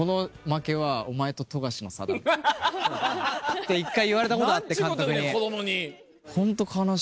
って一回言われたことあって監督に。